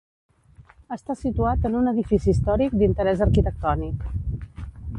Està situat en un edifici històric d'interès arquitectònic.